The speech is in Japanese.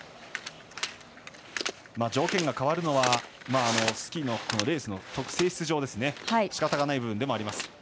条件が変わるのはスキーのレースの性質上しかたがない部分でもあります。